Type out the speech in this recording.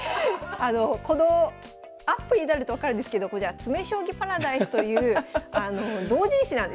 このアップになると分かるんですけどこちら「詰将棋パラダイス」という同人誌なんですよね。